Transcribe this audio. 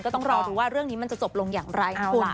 ต้องรอดูว่าเรื่องนี้มันจะจบลงอย่างไรนะคะ